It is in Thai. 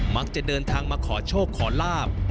มักจะเดินทางมาขอโชคขอลาบ